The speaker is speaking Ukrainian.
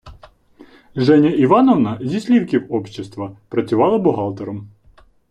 Женя Івановна – зі «слівків общєства», працювала бухгалтером.